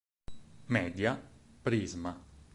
Media, Prisma.